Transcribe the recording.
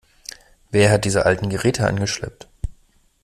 Wer hat diese alten Geräte angeschleppt?